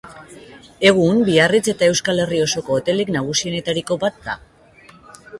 Egun Biarritz eta Euskal Herri osoko hotelik nagusienetariko bat da.